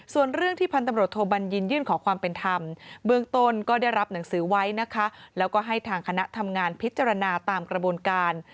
ส่วนเรื่องที่พันตำรวจโทบัญญินยื่นขอความเป็นธรรมเบื้องต้นก็ได้รับหนังสือไว้นะคะแล้วก็ให้ทางคณะทำงานพิจารณาตามกระบวนการ